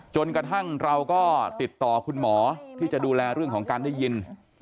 จนกระทั่งเราก็ติดต่อคุณหมอที่จะดูแลเรื่องของการได้ยิน